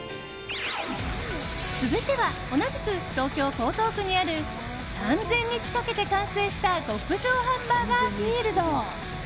続いては同じく東京・江東区にある３０００日かけて完成した極上ハンバーガーＦｉｅｌｄ。